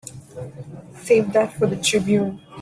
Save that for the Tribune.